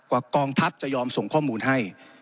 ว่ากองทัศน์จะยอมส่งข้อมูลให้